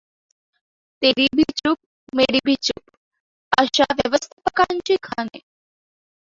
तेरी भी चूप मेरी भी चूप! अशा व्यवस्थापकांची ‘खाने.